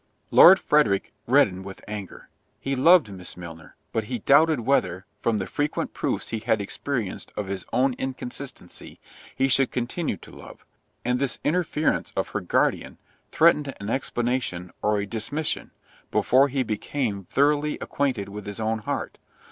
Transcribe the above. Lord Frederick reddened with anger—he loved Miss Milner; but he doubted whether, from the frequent proofs he had experienced of his own inconstancy, he should continue to love—and this interference of her guardian threatened an explanation or a dismission, before he became thoroughly acquainted with his own heart.